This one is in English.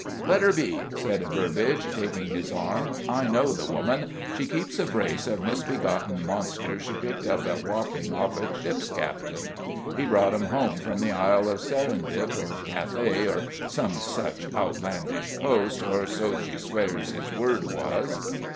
"Let her be," said Burbage, taking his arm. "I know the woman. She keeps a brace of misbegotten monsters she picked up at Wapping off a ship's captain. He brought 'em home from the Isle of Serendib, or Cathay, or some such outlandish coast, or so she swears his word was."